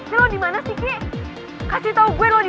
sampai kapanpun gue akan pernah jauhin putri